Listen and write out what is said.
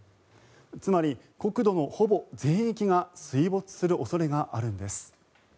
つまり国土のほぼ全域が水没する恐れがあるんです。